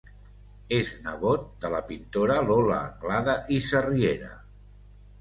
És nebot de la pintora Lola Anglada i Sarriera.